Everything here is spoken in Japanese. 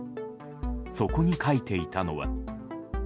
そこに書いていたのは。